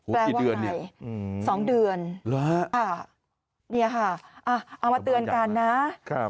แปลว่าไหน๒เดือนค่ะนี่ค่ะเอามาเตือนกันนะ